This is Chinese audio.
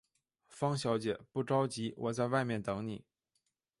方小姐，不着急，我在外面等妳。